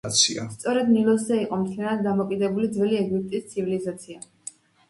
სწორედ ნილოსზე იყო მთლიანად დამოკიდებული ძველი ეგვიპტის ცივილიზაცია.